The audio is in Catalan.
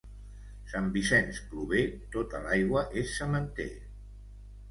Sant Vicenç plover, tota l'aigua és sementer.